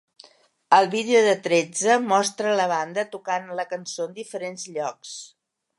El vídeo de "tretze" mostra la banda tocant la cançó en diferents llocs.